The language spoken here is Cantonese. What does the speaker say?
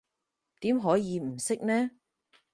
點可以唔識呢？